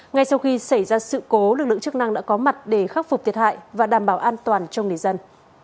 ngay sau khi xảy ra sự cố lực lượng chức năng đã có mặt để khắc phục thiệt hại và đảm bảo an toàn cho người dân